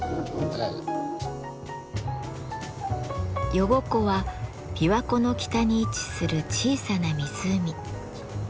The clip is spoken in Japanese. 余呉湖は琵琶湖の北に位置する小さな湖。